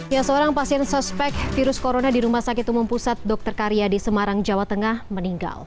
ya seorang pasien suspek virus corona di rumah sakit umum pusat dr karya di semarang jawa tengah meninggal